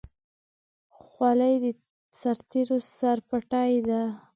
خولۍ د سرتېرو سرپټۍ ده.